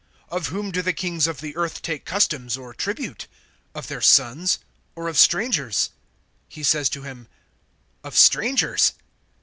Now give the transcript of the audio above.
Of whom do the kings of the earth take customs, or tribute? Of their sons, or of strangers? (26)He says to him: Of strangers.